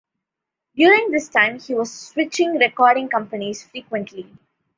During this time he was switching recording companies frequently.